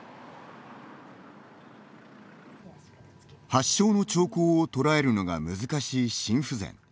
発症の兆候を捉えるのが難しい心不全。